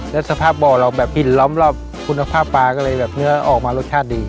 แล้วสภาพบ่อเราแบบกินล้อมรอบคุณภาพปลาก็เลยแบบเนื้อออกมารสชาติดี